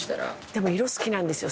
でも色好きなんですよ。